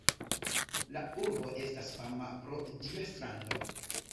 La urbo estas fama pro ĝia strando.